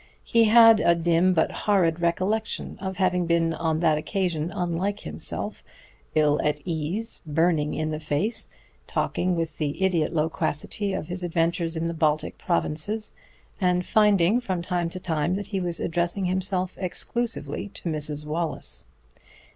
He had a dim but horrid recollection of having been on that occasion unlike himself, ill at ease, burning in the face, talking with idiot loquacity of his adventures in the Baltic provinces, and finding from time to time that he was addressing himself exclusively to Mrs. Wallace.